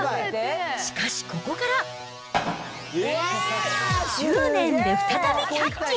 しかしここから、執念で再びキャッチ。